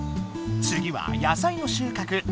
つぎは野菜の収穫。